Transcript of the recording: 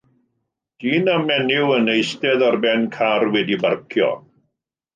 Dyn a menyw yn eistedd ar ben car wedi ei barcio.